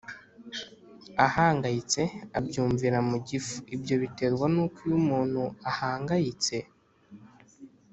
ahangayitse abyumvira mu gifu Ibyo biterwa n uko iyo umuntu ahangayitse